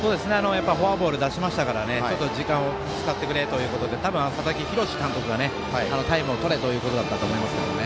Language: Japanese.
フォアボール出しましたから、ちょっと時間を使ってくれということで多分、佐々木洋監督がタイムをとれということだったと思いますね。